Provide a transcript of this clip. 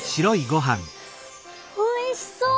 おいしそう！